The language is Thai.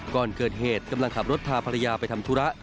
ก่อนเกิดเหตุกำลังขับรถพาภรรยาไปทำธุระ